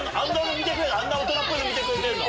あんな大人っぽいの見てくれてんの？